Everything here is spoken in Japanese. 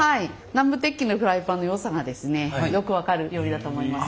南部鉄器のフライパンのよさがですねよく分かる料理だと思います。